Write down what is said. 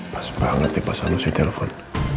pas banget tipe salus si telpon